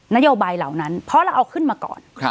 นโยบายเหล่านั้นเพราะเราเอาขึ้นมาก่อน